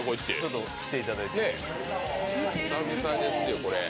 久々ですよ、これ。